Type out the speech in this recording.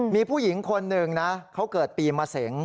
มีผู้หญิงคนหนึ่งนะเขาเกิดปีมะเสง